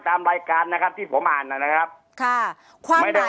ตามรายการนะครับที่ผมอ่านนะครับค่ะความไม่ได้